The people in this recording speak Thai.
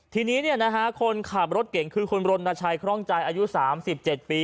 ทีนี้คนขับรถเก่งคือคุณรณชัยคร่องใจอายุ๓๗ปี